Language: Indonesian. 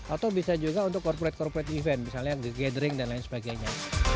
atau bisa juga untuk corporate corporate event misalnya the gathering dan lain sebagainya